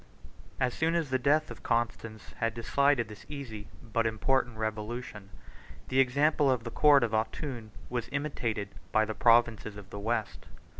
] As soon as the death of Constans had decided this easy but important revolution, the example of the court of Autun was imitated by the provinces of the West.